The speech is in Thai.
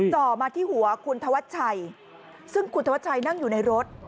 จ่อมาที่หัวคุณธวัชชัยซึ่งคุณธวัชชัยนั่งอยู่ในรถ